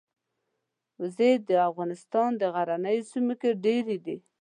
وزې د افغانستان غرنیو سیمو کې ډېرې دي